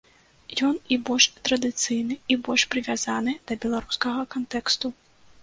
Ён і больш традыцыйны і больш прывязаны да беларускага кантэксту.